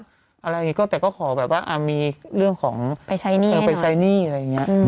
อะไรอย่างนี้ก็แต่ก็ขอแบบว่ามีเรื่องของไปใช้หนี้เออไปใช้หนี้อะไรอย่างนี้